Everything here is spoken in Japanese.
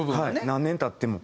何年経っても。